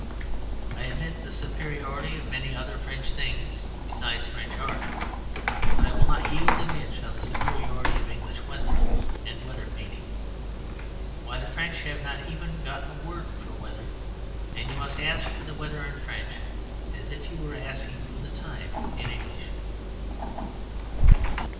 I admit the superiority of many other French things besides French art. But I will not yield an inch on the superiority of English weather and weather painting. Why, the French have not even got a word for Weather: and you must ask for the weather in French as if you were asking for the time in English.